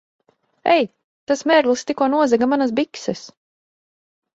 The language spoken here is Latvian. Ei! Tas mērglis tikko nozaga manas bikses!